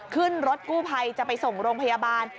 ขึ้นรถกู้ภัยจะไปส่งโรงพยาบาล